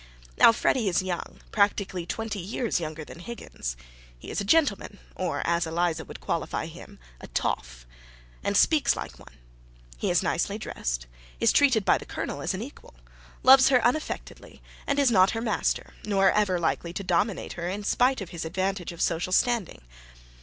Now Freddy is young, practically twenty years younger than Higgins: he is a gentleman (or, as Eliza would qualify him, a toff), and speaks like one; he is nicely dressed, is treated by the Colonel as an equal, loves her unaffectedly, and is not her master, nor ever likely to dominate her in spite of his advantage of social standing.